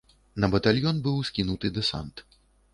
На батальён быў скінуты дэсант.